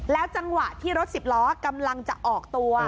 จังหวะที่รถสิบล้อกำลังจะออกตัว